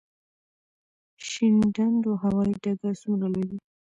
شینډنډ هوايي ډګر څومره لوی دی؟